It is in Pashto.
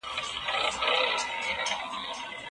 د معلوماتو بیا بیا لیکل د هغو د ثبتولو ضمانت کوي.